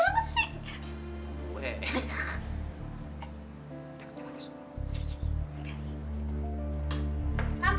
lo kebintar banget sip